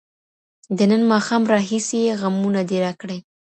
د نن ماښام راهيسي يــې غمونـه دې راكــړي.